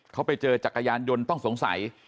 เขาไปเจอจักรยานยนต์ต้องสงสัย